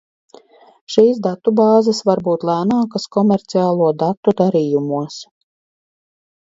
Šīs datubāzes var būt lēnākas komerciālo datu darījumos.